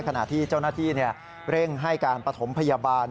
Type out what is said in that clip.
ขณะที่เจ้าหน้าที่เร่งให้การปฐมพยาบาล